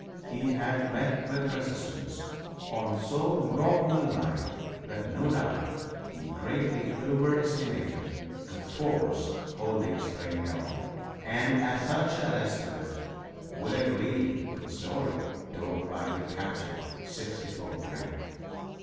He had met with resistance on so long a line that no doubt he greatly overestimated the force holding Spring Hill, and such an estimate would agree with the story told by the captured 64th men.